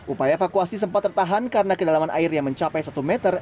upaya evakuasi sempat tertahan karena kedalaman air yang mencapai satu meter